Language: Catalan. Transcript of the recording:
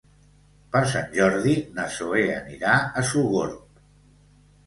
Per Sant Jordi na Zoè anirà a Sogorb.